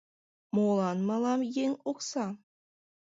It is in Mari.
Молан мылам еҥ окса?